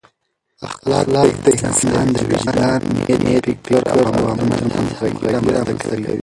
اخلاق د انسان د وجدان، نیت، فکر او عمل ترمنځ همغږي رامنځته کوي.